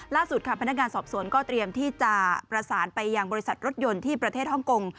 ล่าสุดค่ะพนักงานสอบสวนก็เตรียมที่จะประสานไปยังบริษัทรถยนต์ที่ประเทศฮ่องกง